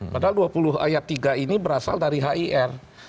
padahal dua puluh ayat tiga ini berasal dari hir